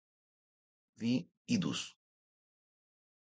V. idus.